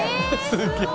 「すげえ！」